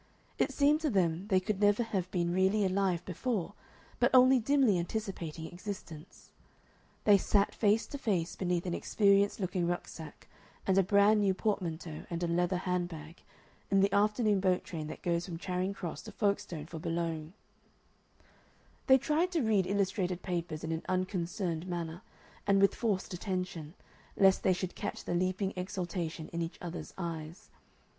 It seemed to them they could never have been really alive before, but only dimly anticipating existence. They sat face to face beneath an experienced looking rucksack and a brand new portmanteau and a leather handbag, in the afternoon boat train that goes from Charing Cross to Folkestone for Boulogne. They tried to read illustrated papers in an unconcerned manner and with forced attention, lest they should catch the leaping exultation in each other's eyes.